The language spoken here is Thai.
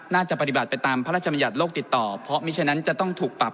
น่าจะปฏิบัติไปตามพระราชมัญญัติโลกติดต่อเพราะมีฉะนั้นจะต้องถูกปรับ